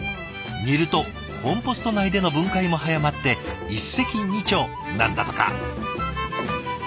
煮るとコンポスト内での分解も早まって一石二鳥なんだとか。